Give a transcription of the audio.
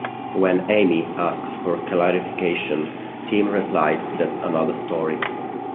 When Amy asks for clarification, Tim replies that's another story.